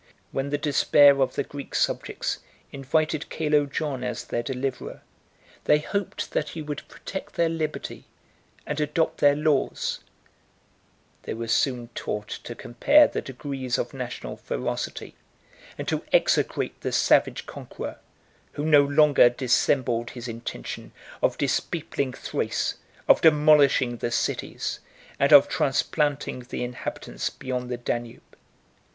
When the despair of the Greek subjects invited Calo John as their deliverer, they hoped that he would protect their liberty and adopt their laws: they were soon taught to compare the degrees of national ferocity, and to execrate the savage conqueror, who no longer dissembled his intention of dispeopling Thrace, of demolishing the cities, and of transplanting the inhabitants beyond the Danube.